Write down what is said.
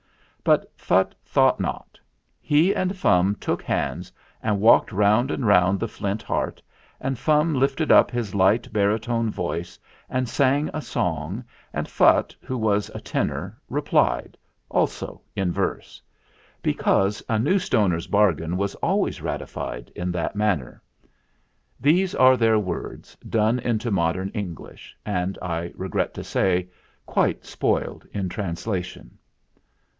But Phutt thought not. He and Fum took hands and walked round and round the Flint Heart, and Fum lifted up his light baritone voice, and sang a song, and Phutt, who was a tenor, replied, also in verse; because a New Stoner's bargain was always ratified in that manner. These are their words, done into modern English, and, I regret to say, quite spoiled in translation.